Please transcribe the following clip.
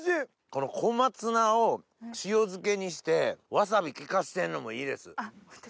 この小松菜を塩漬けにしてわさび効かしてるのもいいです。